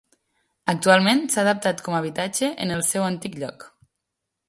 Actualment s’ha adaptat com habitatge en el seu antic lloc.